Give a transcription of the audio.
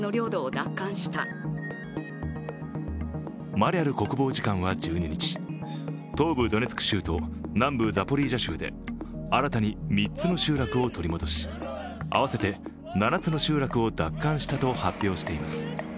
マリャル国防次官は１２日、東部ドネツク州と南部ザポリージャ州で新たに３つの集落を取り戻し合わせて７つの集落を奪還したと発表しています。